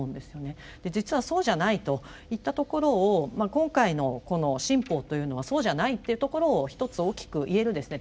実はそうじゃないといったところを今回のこの新法というのはそうじゃないっていうところをひとつ大きく言えるですね